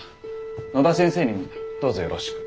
野田先生にもどうぞよろしく。